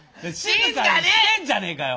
静かにしてんじゃねえかよ。